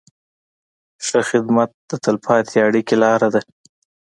ښه خدمت د تل پاتې اړیکې لاره ده.